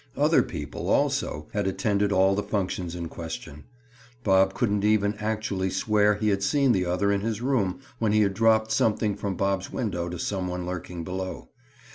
Other people, also, had attended all the functions in question. Bob couldn't even actually swear he had seen the other in his room when he had dropped something from Bob's window to some one lurking below.